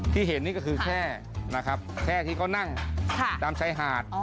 ที่เห็นนี่ก็คือแค่นะครับแค่ที่เขานั่งตามชายหาด